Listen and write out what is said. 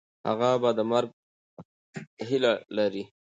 هغه به د مرګ هیله لري.